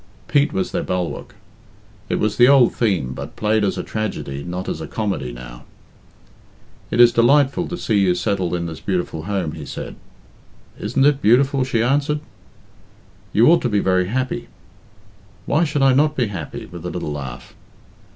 Pete was their bulwark. It was the old theme, but played as a tragedy, not as a comedy, now. "It is delightful to see you settled in this beautiful home," he said. "Isn't it beautiful?" she answered. "You ought to be very happy." "Why should I not be happy?" with a little laugh.